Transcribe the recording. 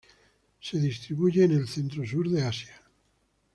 Se distribuye en el centro-sur de Asia.